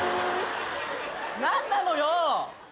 何なのよ？